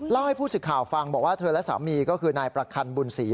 เล่าให้ผู้สื่อข่าวฟังบอกว่าเธอและสามีก็คือนายประคันบุญศรี